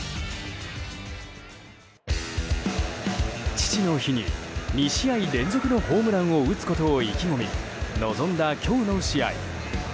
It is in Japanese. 父の日に２試合連続のホームランを打つことを意気込み臨んだ今日の試合。